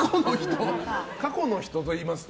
過去の人といいますと？